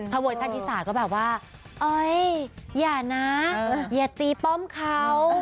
ถ้าเวิร์ดชาติอีซ่าก็แบบว่าอย่านะอย่าตีป้อมเขา